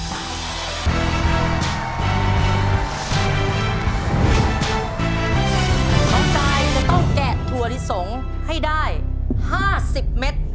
กายจะต้องแกะถั่วลิสงให้ได้๕๐เมตร